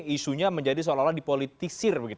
isunya menjadi seolah olah dipolitisir